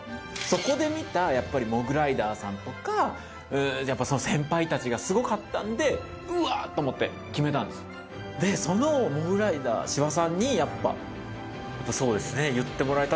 そこで見たやっぱりモグライダーさんとかその先輩達がすごかったんでうわっ！と思って決めたんですでそのモグライダー芝さんにやっぱそうですね